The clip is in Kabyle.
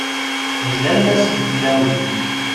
D lalla-s n tlawin!